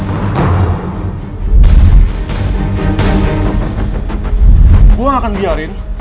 gue gak akan biarin